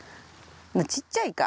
ちっちゃいか。